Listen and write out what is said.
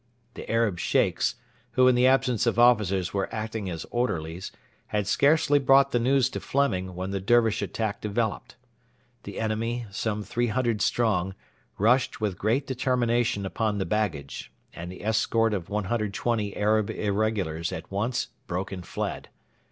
The Arab Sheikhs, who in the absence of officers were acting as orderlies, had scarcely brought the news to Fleming, when the Dervish attack developed. The enemy, some 300 strong, rushed with great determination upon the baggage, and the escort of 120 Arab irregulars at once broke and fled.